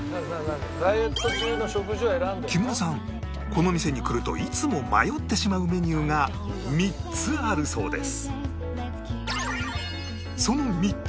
この店に来るといつも迷ってしまうメニューが３つあるそうです